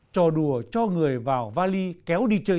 trò đùa cho người vào vali kéo đi chơi